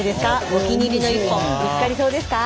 お気に入りの１本見つかりそうですか？